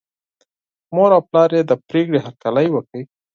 مور او پلار یې د پرېکړې هرکلی وکړ.